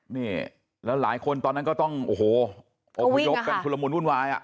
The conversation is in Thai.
นี่แล้วหลายคนตอนนั้นก็ต้องโอ้โหอบพยพกันชุลมุนวุ่นวายอ่ะ